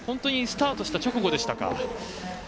スタートした直後でしたかね。